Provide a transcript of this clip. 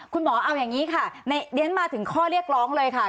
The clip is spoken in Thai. คุณหมอเอาอย่างนี้ค่ะเรียนมาถึงข้อเรียกร้องเลยค่ะ